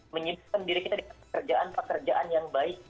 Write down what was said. menyebutkan diri kita dengan pekerjaan pekerjaan yang baik